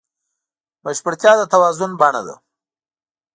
بشپړتیا د توازن بڼه ده.